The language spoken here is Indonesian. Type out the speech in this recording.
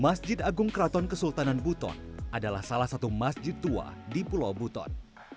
masjid agung keraton kesultanan buton adalah salah satu masjid tua di pulau buton